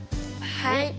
はい。